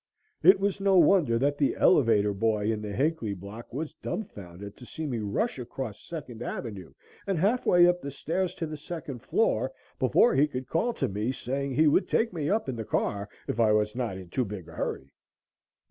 It was no wonder that the elevator boy in the Hinckley Block was dumb founded to see me rush across Second Avenue and half way up the stairs to the second floor before he could call to me, saying he would take me up in the car if I was not in too big a hurry.